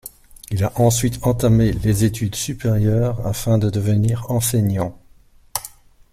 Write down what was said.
Il a ensuite entamé les études supérieures afin de devenir enseignant.